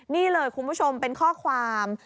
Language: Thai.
นี่เลยคุณผู้ชมเป็นข้อความ